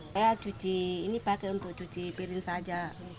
saya cuci ini pakai untuk cuci piring saja